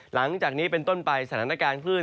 หลังจากนี้เป็นต้นไปสถานการณ์คลื่น